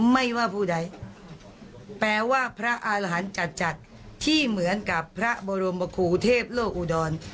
ไม่ว่าผู้ใดแปลว่าพระอารหันต์จัดจัดที่เหมือนกับพระบรมคูเทพโลกอุดร